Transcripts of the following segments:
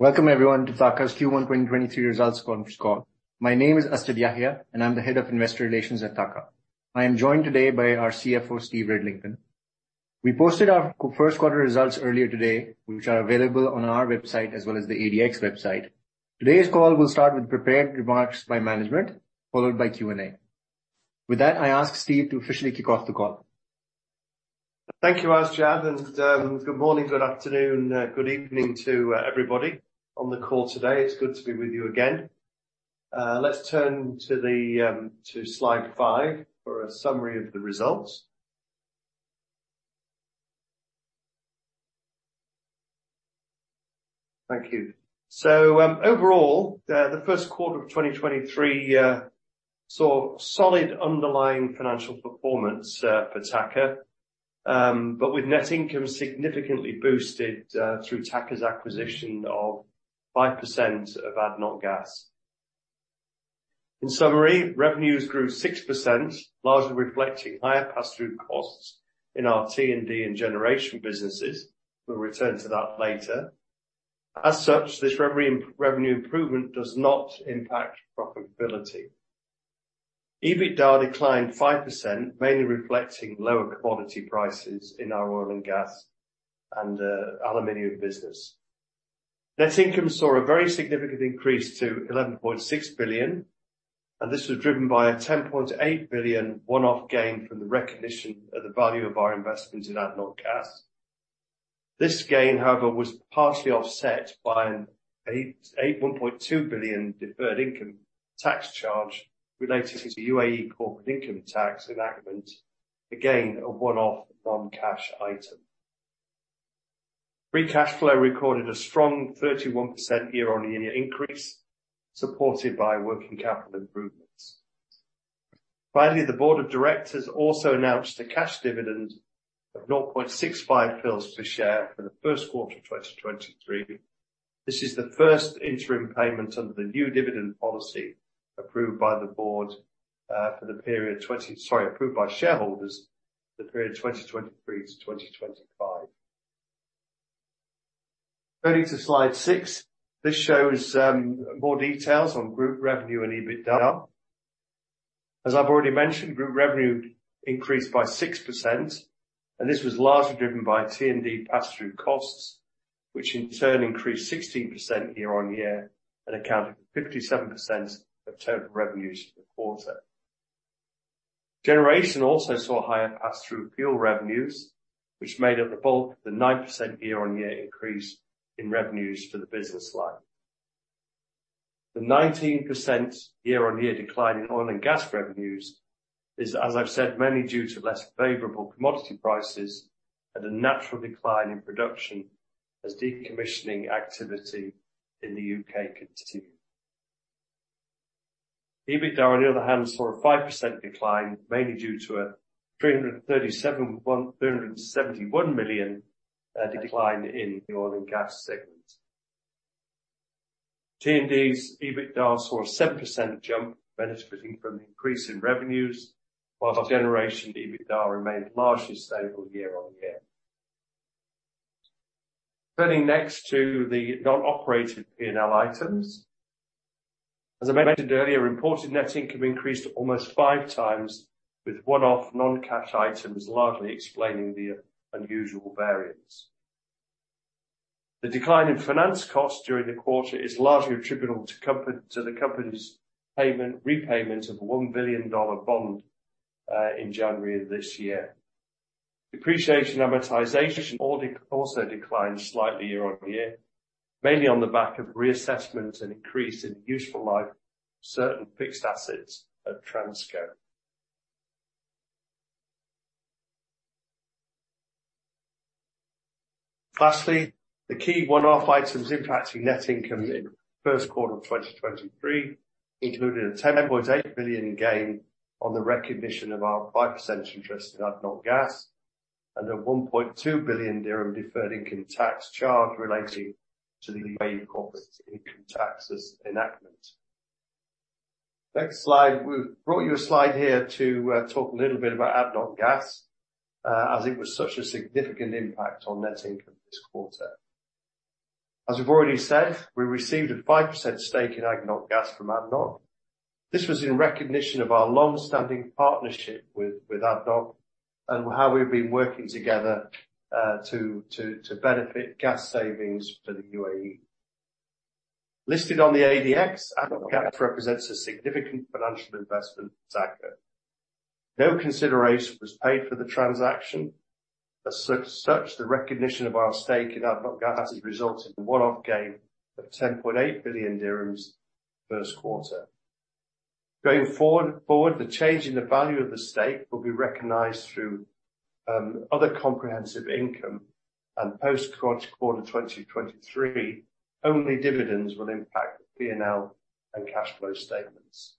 Welcome everyone to TAQA's Q1 2023 results conference call. My name is Asjad Yahya, and I'm the Head of Investor Relations at TAQA. I am joined today by our CFO, Stephen Ridlington. We posted our first quarter results earlier today, which are available on our website as well as the ADX website. Today's call will start with prepared remarks by management, followed by Q&A. With that, I ask Steve to officially kick off the call. Thank you, Asjad, and good morning, good afternoon, good evening to everybody on the call today. It's good to be with you again. Let's turn to slide 5 for a summary of the results. Thank you. Overall, the first quarter of 2023 saw solid underlying financial performance for TAQA, but with net income significantly boosted through TAQA's acquisition of 5% of ADNOC Gas. In summary, revenues grew 6%, largely reflecting higher passthrough costs in our T&D and generation businesses. We'll return to that later. As such, this revenue improvement does not impact profitability. EBITDA declined 5%, mainly reflecting lower commodity prices in our oil and gas and aluminum business. Net income saw a very significant increase to 11.6 billion, and this was driven by an 10.8 billion one-off gain from the recognition of the value of our investment in ADNOC Gas. This gain, however, was partially offset by an 8.2 billion deferred income tax charge related to the UAE corporate income tax enactment. Again, a one-off non-cash item. Free cash flow recorded a strong 31% year-on-year increase, supported by working capital improvements. Finally, the board of directors also announced a cash dividend of 0.65 fils per share for the first quarter of 2023. This is the first interim payment under the new dividend policy approved by the board for the period approved by shareholders for the period 2023 to 2025. Turning to slide 6, this shows more details on group revenue and EBITDA. As I've already mentioned, group revenue increased by 6%, this was largely driven by T&D passthrough costs, which in turn increased 16% year-on-year and accounted for 57% of total revenues for the quarter. Generation also saw higher passthrough fuel revenues, which made up the bulk of the 9% year-on-year increase in revenues for the business line. The 19% year-on-year decline in oil and gas revenues is, as I've said, mainly due to less favorable commodity prices and a natural decline in production as decommissioning activity in the UK continue. EBITDA, on the other hand, saw a 5% decline, mainly due to a 371 million decline in the oil and gas segment. T&D's EBITDA saw a 7% jump benefiting from the increase in revenues, while the generation EBITDA remained largely stable year-on-year. Turning next to the non-operated P&L items. As I mentioned earlier, reported net income increased almost five times, with one-off non-cash items largely explaining the unusual variance. The decline in finance costs during the quarter is largely attributable to the company's repayment of a $1 billion bond in January of this year. Depreciation amortization also declined slightly year-on-year, mainly on the back of reassessment and increase in useful life of certain fixed assets at Transco. Lastly, the key one-off items impacting net income in first quarter of 2023 included a 10.8 billion gain on the recognition of our 5% interest in ADNOC Gas and a 1.2 billion dirham deferred income tax charge relating to the UAE corporate income tax enactment. Next slide. We've brought you a slide here to talk a little bit about ADNOC Gas, as it was such a significant impact on net income this quarter. As we've already said, we received a 5% stake in ADNOC Gas from ADNOC. This was in recognition of our long-standing partnership with ADNOC and how we've been working together to benefit gas savings for the UAE. Listed on the ADX, ADNOC Gas represents a significant financial investment for TAQA. No consideration was paid for the transaction. As such, the recognition of our stake in ADNOC Gas has resulted in a one-off gain of 10.8 billion dirhams first quarter. Going forward, the change in the value of the stake will be recognized through other comprehensive income. Post-quarter 2023, only dividends will impact the P&L and cash flow statements.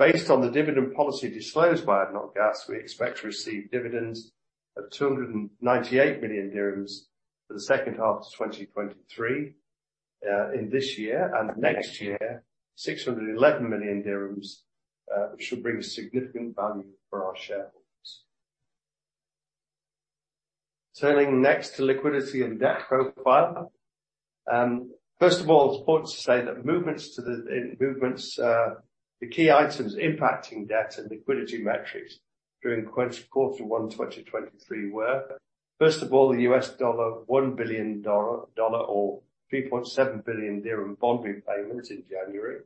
Based on the dividend policy disclosed by ADNOC Gas, we expect to receive dividends of 298 million dirhams for the second half of 2023 in this year, and next year, 611 million dirhams, which will bring significant value for our shareholders. Turning next to liquidity and debt profile. First of all, in movements, the key items impacting debt and liquidity metrics during Q1 2023 were, first of all, the US dollar, $1 billion dollar or 3.7 billion dirham bond repayments in January.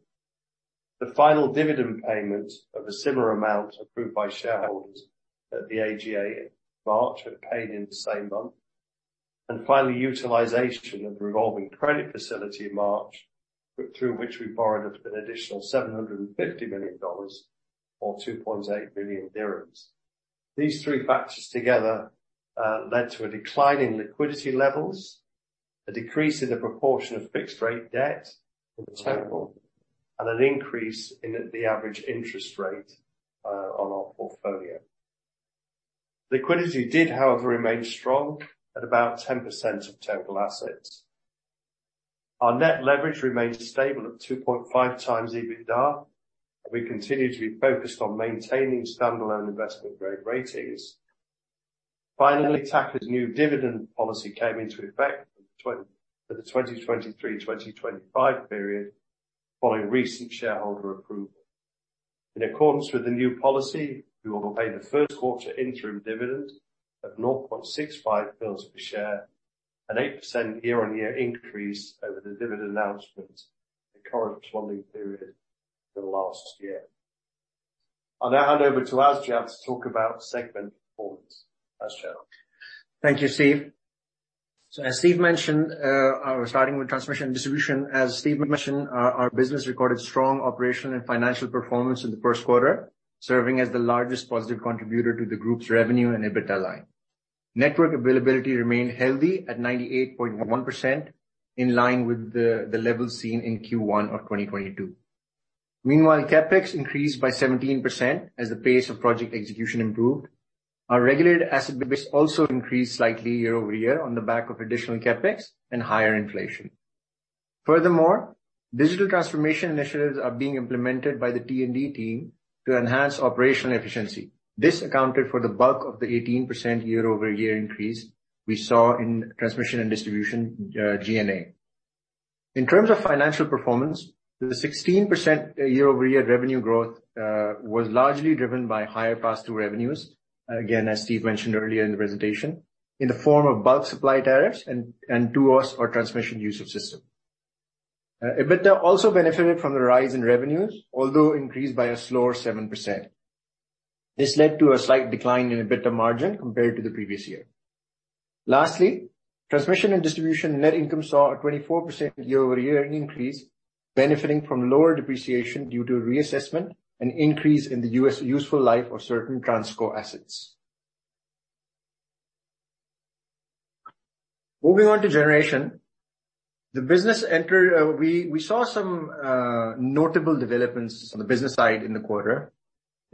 The final dividend payments of a similar amount approved by shareholders at the AGA in March were paid in the same month. Finally, utilization of the revolving credit facility in March, through which we borrowed up an additional $750 million or 2.8 billion dirhams. These three factors together led to a decline in liquidity levels, a decrease in the proportion of fixed rate debt in total, and an increase in the average interest rate on our portfolio. Liquidity did, however, remain strong at about 10% of total assets. Our net leverage remained stable at 2.5 times EBITDA. We continue to be focused on maintaining standalone investment-grade ratings. Finally, TAQA's new dividend policy came into effect for the 2023/2025 period following recent shareholder approval. In accordance with the new policy, we will pay the first quarter interim dividend of 0.65 fils per share, an 8% year-on-year increase over the dividend announcement in the corresponding period for the last year. I'll now hand over to Asjad to talk about segment performance. Asjad. Thank you, Steve. As Steve mentioned, we're starting with transmission and distribution. As Steve mentioned, our business recorded strong operational and financial performance in the first quarter, serving as the largest positive contributor to the group's revenue and EBITDA line. Network availability remained healthy at 98.1%, in line with the levels seen in Q1 of 2022. Meanwhile, CapEx increased by 17% as the pace of project execution improved. Our regulated asset base also increased slightly year-over-year on the back of additional CapEx and higher inflation. Furthermore, digital transformation initiatives are being implemented by the T&D team to enhance operational efficiency. This accounted for the bulk of the 18% year-over-year increase we saw in transmission and distribution, G&A. In terms of financial performance, the 16% year-over-year revenue growth was largely driven by higher pass-through revenues, again, as Steve mentioned earlier in the presentation, in the form of bulk supply tariffs and TUOS or transmission use of system. EBITDA also benefited from the rise in revenues, although increased by a slower 7%. This led to a slight decline in EBITDA margin compared to the previous year. Transmission and distribution net income saw a 24% year-over-year increase benefiting from lower depreciation due to reassessment and increase in the useful life of certain Transco assets. Moving on to generation. The business entered, we saw some notable developments on the business side in the quarter.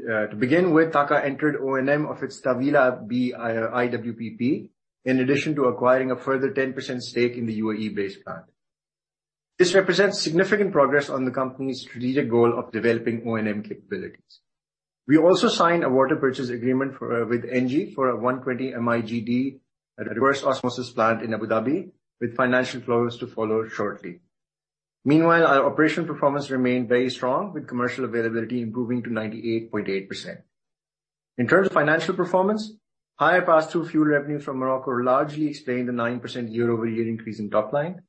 To begin with, TAQA entered O&M of its Taweelah B IWPP, in addition to acquiring a further 10% stake in the UAE-based plant. This represents significant progress on the company's strategic goal of developing O&M capabilities. We also signed a water purchase agreement for with ENGIE for a 120 MIGD reverse osmosis plant in Abu Dhabi with financial close to follow shortly. Meanwhile, our operational performance remained very strong, with commercial availability improving to 98.8%. In terms of financial performance, higher pass-through fuel revenue from Morocco largely explained the 9% year-over-year increase in top line.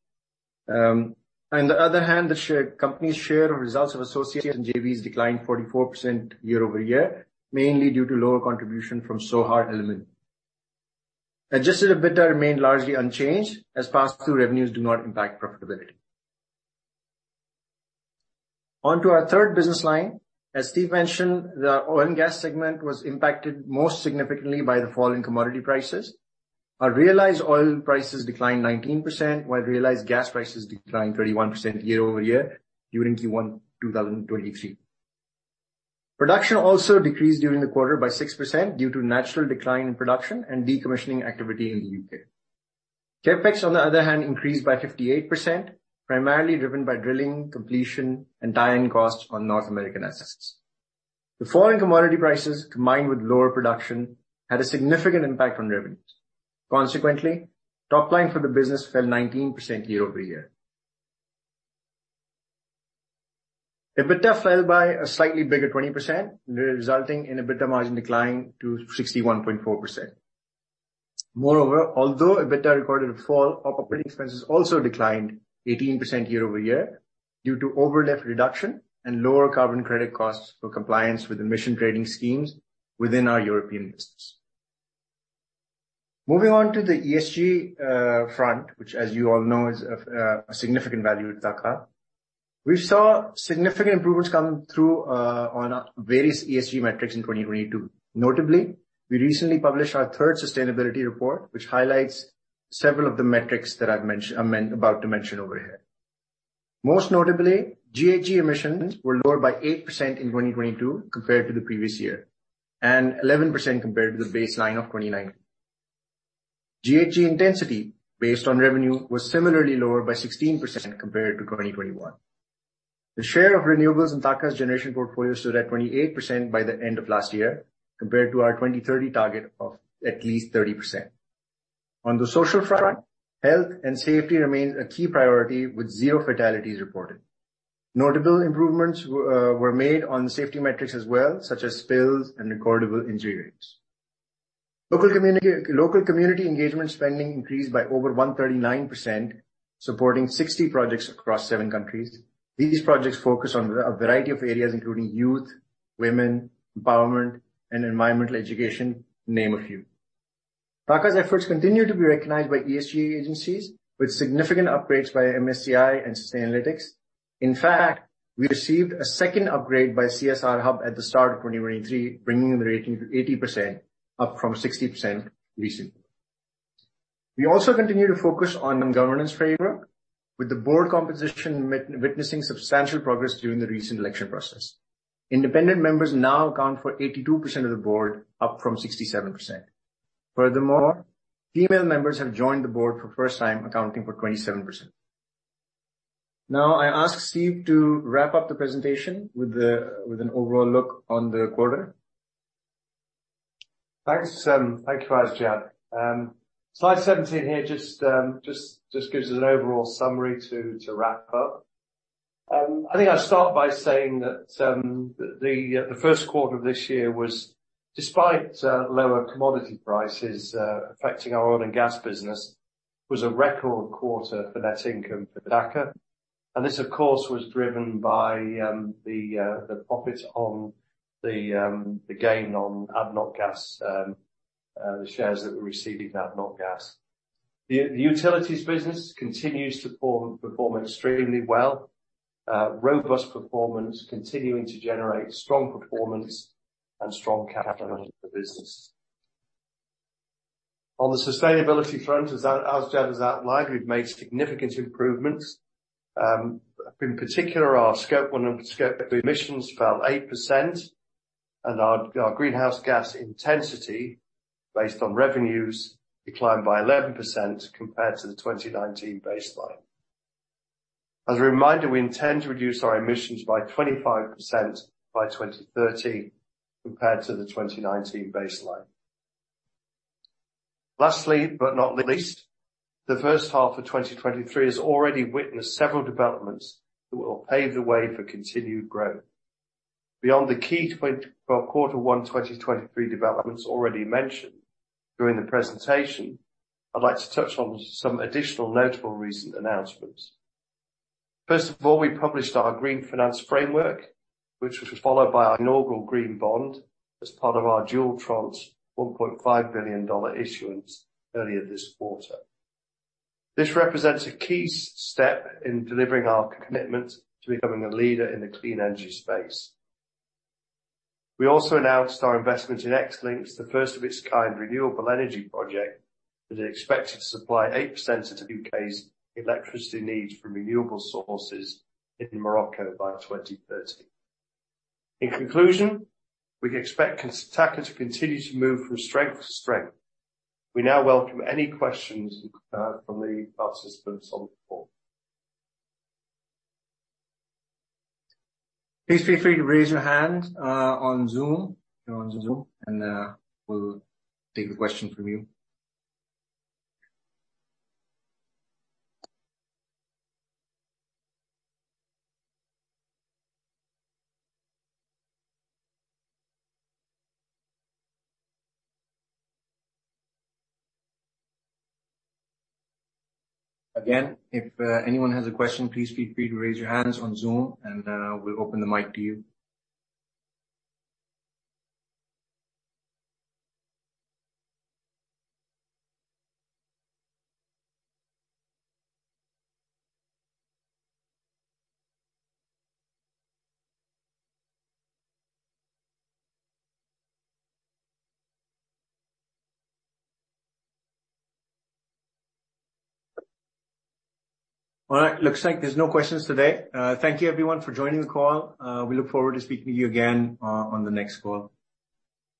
On the other hand, the company's share of results of associates and JVs declined 44% year-over-year, mainly due to lower contribution from Sohar Aluminium. Adjusted EBITDA remained largely unchanged as pass-through revenues do not impact profitability. On to our third business line. As Steve mentioned, the oil and gas segment was impacted most significantly by the fall in commodity prices. Our realized oil prices declined 19%, while realized gas prices declined 31% year-over-year during Q1 2023. Production also decreased during the quarter by 6% due to natural decline in production and decommissioning activity in the UK. CapEx, on the other hand, increased by 58%, primarily driven by drilling, completion and tie-in costs on North American assets. The fall in commodity prices, combined with lower production, had a significant impact on revenues. Consequently, top line for the business fell 19% year-over-year. EBITDA fell by a slightly bigger 20%, resulting in EBITDA margin decline to 61.4%. Moreover, although EBITDA recorded a fall, our operating expenses also declined 18% year-over-year due to overlap reduction and lower carbon credit costs for compliance with emission trading schemes within our European business. Moving on to the ESG front, which, as you all know, is of a significant value to TAQA. We saw significant improvements come through on our various ESG metrics in 2022. Notably, we recently published our third sustainability report, which highlights several of the metrics that I'm about to mention over here. Most notably, GHG emissions were lower by 8% in 2022 compared to the previous year, and 11% compared to the baseline of 2019. GHG intensity based on revenue was similarly lower by 16% compared to 2021. The share of renewables in TAQA's generation portfolio stood at 28% by the end of last year, compared to our 2030 target of at least 30%. On the social front, health and safety remain a key priority, with zero fatalities reported. Notable improvements were made on safety metrics as well, such as spills and recordable injury rates. Local community engagement spending increased by over 139%, supporting 60 projects across 7 countries. These projects focus on a variety of areas, including youth, women, empowerment, and environmental education, to name a few. TAQA's efforts continue to be recognized by ESG agencies with significant upgrades by MSCI and Sustainalytics. In fact, we received a second upgrade by CSRHub at the start of 2023, bringing the rating to 80% up from 60% recently. We also continue to focus on governance framework with the board composition witnessing substantial progress during the recent election process. Independent members now account for 82% of the board, up from 67%. Furthermore, female members have joined the board for first time, accounting for 27%. I ask Steve to wrap up the presentation with an overall look on the quarter. Thanks, thank you, Asjad. Slide 17 here just gives us an overall summary to wrap up. I think I'll start by saying that the first quarter of this year was despite lower commodity prices affecting our oil and gas business, was a record quarter for net income for TAQA. This, of course, was driven by the profits on the gain on ADNOC Gas, the shares that we received in ADNOC Gas. The utilities business continues to perform extremely well. Robust performance continuing to generate strong performance and strong capital the business. On the sustainability front, as Asjad has outlined, we've made significant improvements. In particular, our Scope 1 and Scope 3 emissions fell 8%, and our greenhouse gas intensity based on revenues declined by 11% compared to the 2019 baseline. As a reminder, we intend to reduce our emissions by 25% by 2030 compared to the 2019 baseline. Lastly, but not least, the first half of 2023 has already witnessed several developments that will pave the way for continued growth. Beyond the key Q1 2023 developments already mentioned during the presentation, I'd like to touch on some additional notable recent announcements. First of all, we published our Green Finance Framework, which was followed by our inaugural green bond as part of our dual tranche $1.5 billion issuance earlier this quarter. This represents a key step in delivering our commitment to becoming a leader in the clean energy space. We also announced our investment in Xlinks, the first of its kind renewable energy project that is expected to supply 8% of the UK's electricity needs from renewable sources in Morocco by 2030. We expect TAQA to continue to move from strength to strength. We now welcome any questions from the participants on the call. Please feel free to raise your hand on Zoom, if you're on Zoom, and we'll take the question from you. Again, if anyone has a question, please feel free to raise your hands on Zoom, and we'll open the mic to you. All right. Looks like there's no questions today. Thank you everyone for joining the call. We look forward to speaking to you again on the next call.